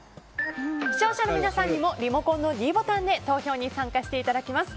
視聴者の皆さんにもリモコンのｄボタンで投票に参加していただきます。